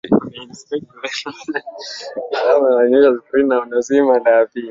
kwa kuwa husababisha magonjwa kama mapafu na kuharibu utindio wa ubongo